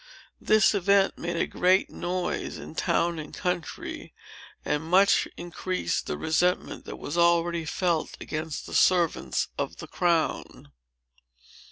This event made a great noise in town and country, and much increased the resentment that was already felt against the servants of the crown.